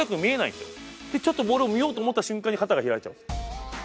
ちょっとボールを見ようと思った瞬間に開いちゃう。